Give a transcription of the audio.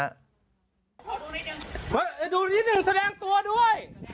ดูนิดหนึ่งดูนิดหนึ่งแสดงตัวด้วย